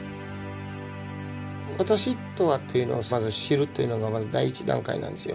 「私とは」っていうのをまず知るっていうのがまず第一段階なんですよ。